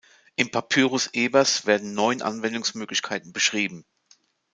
Im Papyrus Ebers werden neun Anwendungsmöglichkeiten beschrieben.